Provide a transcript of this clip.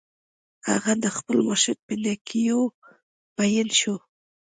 هغه د خپل مرشد په نېکیو مین شو